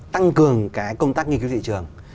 tăng cường cái công tác nghiên cứu thị trường